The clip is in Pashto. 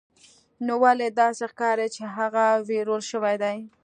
نو ولې داسې ښکاري چې هغه ویرول شوی دی